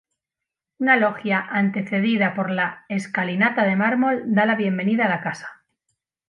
Una loggia antecedida por la escalinata de mármol da la bienvenida a la casa.